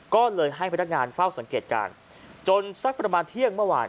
ก็เลยให้พนักงานเฝ้าสังเกตการณ์จนสักประมาณเที่ยงเมื่อวาน